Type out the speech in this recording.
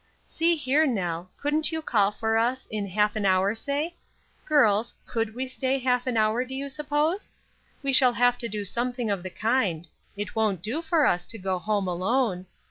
"See here, Nell, couldn't you call for us, in half an hour, say? Girls, could we stay half an hour, do you suppose? We shall have to do something of the kind; it won't do for us to go home alone.